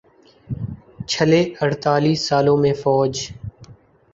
چھلے اڑتالیس سالوں میں فوج